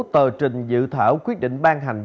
tờ trình dự thảo quyết định ban hành